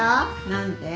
何て？